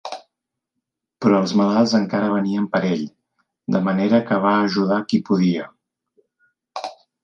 Però els malalts encara venien per ell, de manera que va ajudar qui podia.